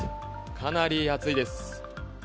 かなり暑いです。